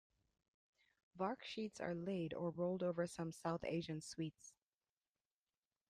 Vark sheets are laid or rolled over some South Asian sweets.